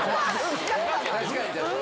確かに。